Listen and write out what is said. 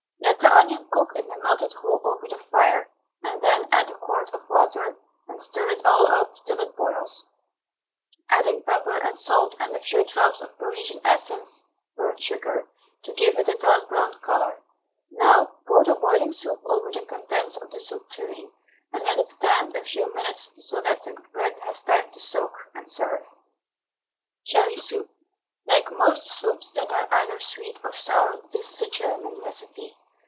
Let the onion cook in the melted roux over the fire, and then add a quart of water, and stir it all up till it boils, adding pepper and salt and a few drops of Parisian essence (burnt sugar) to give it a dark brown colour. Now pour the boiling soup over the contents of the soup tureen, and let it stand a few minutes so that the bread has time to soak, and serve. CHERRY SOUP. Like most soups that are either sweet or sour, this is a German recipe.